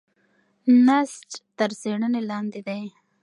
نسج تر څېړنې لاندې دی.